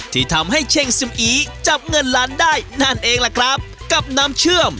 ที่ทำให้เชงซิมอีจับเงินล้านได้นั่นเองล่ะครับกับน้ำเชื่อม